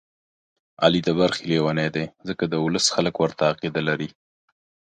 علي د برخې لېونی دی، ځکه د ولس خلک ورته عقیده لري.